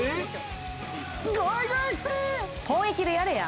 「本意気でやれや！」。